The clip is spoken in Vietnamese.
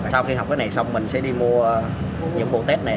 sau khi học cái này xong mình sẽ đi mua những bộ test này